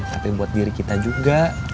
tapi buat diri kita juga